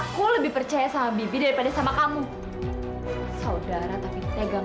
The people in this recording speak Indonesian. sampai jumpa di video selanjutnya